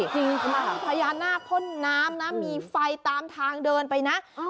จริงมันมีพญานาคพ่นน้ำนะมีไฟตามทางเดินไปนะ